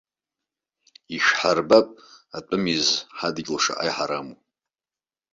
Ишәҳарбап атәым изы ҳадгьыл шаҟа иҳараму!